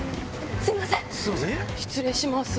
すいません。